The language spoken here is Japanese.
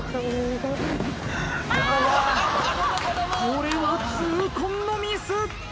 これは痛恨のミス。